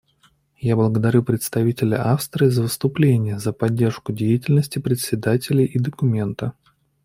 Я благодарю представителя Австрии за выступление, за поддержку деятельности председателей и документа.